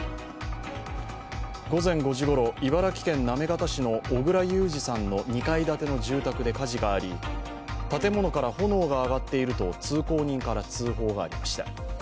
午前５時ごろ、茨城県行方市の小倉裕治さんの２階建ての住宅で火事があり建物から炎が上がっていると通行人から通報がありました。